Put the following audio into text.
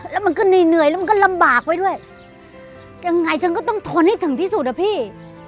แล้วมันก็เหนื่อยเหนื่อยแล้วมันก็ลำบากไปด้วยยังไงฉันก็ต้องทนให้ถึงที่สุดอะพี่